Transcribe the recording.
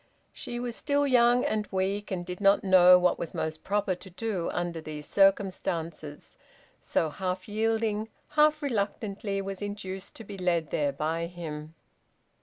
She was still young and weak, and did not know what was most proper to do under these circumstances, so half yielding, half reluctantly was induced to be led there by him.